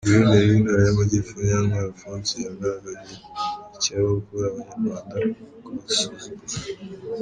Guverineri w’Intara y’Amajyepfo Munyantwari Alphonse yagaragaje icyarokora Abanyarwanda ako gasuzuguro.